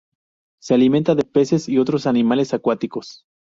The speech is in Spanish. Se alimenta de peces y otros animales acuáticos.